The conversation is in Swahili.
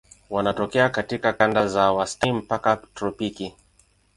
Wanatokea katika kanda za wastani mpaka tropiki.